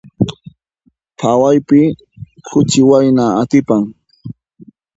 Phawaypi k'uchi wayna atipan.